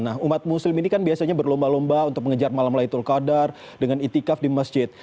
nah umat muslim ini kan biasanya berlomba lomba untuk mengejar malam laytul qadar dengan itikaf di masjid